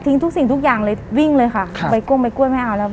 ทิ้งทุกสิ่งทุกอย่างเลยวิ่งเลยค่ะค่ะไปก้มไปกล้วยไม่เอาแล้ว